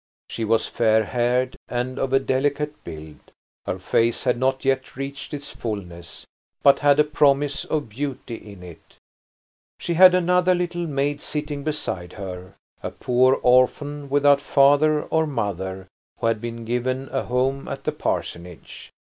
She was fair haired and of delicate build; her face had not yet reached its fullness, but had a promise of beauty in it. She had another little maid sitting beside her, a poor orphan without father or mother, who had been given a home at the parsonage.